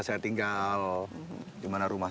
saya tinggal di mana rumah